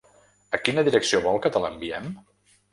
A quina direcció vol que te la enviem?